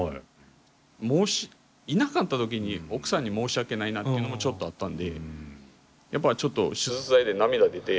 もしいなかった時に奥さんに申し訳ないなっていうのもちょっとあったんでやっぱりちょっと手術台で涙出て。